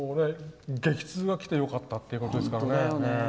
激痛がきてよかったっていうことですからね。